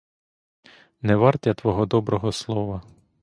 Не варт я твого доброго слова.